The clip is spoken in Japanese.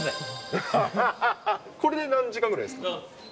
これで何時間ぐらいですか。